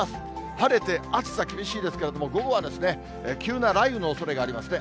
晴れて暑さ厳しいですけれども、午後は急な雷雨のおそれがありますね。